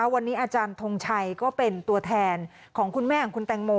วันนี้อาจารย์ทงชัยก็เป็นตัวแทนของคุณแม่ของคุณแตงโม